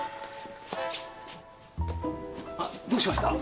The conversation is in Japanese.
あっどうしました？